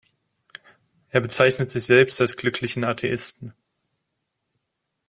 Er bezeichnet sich selbst als glücklichen Atheisten.